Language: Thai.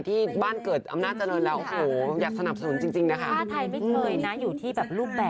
จะเป็นธุรกิจเล็กของครอบครัวด้วยค่ะ